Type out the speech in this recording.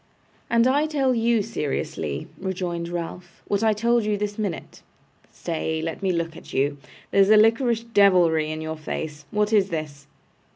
'And I tell you seriously,' rejoined Ralph, 'what I told you this minute. Stay. Let me look at you. There's a liquorish devilry in your face. What is this?